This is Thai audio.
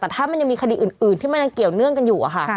แต่ถ้ามันยังมีคดีอื่นที่มันยังเกี่ยวเนื่องกันอยู่อะค่ะ